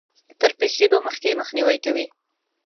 تر پېښېدو مخکې يې مخنيوی کوي.